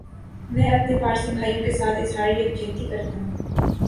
میں اپنے پارسی بھائیوں کیساتھ اظہار یک جہتی کرتا ھوں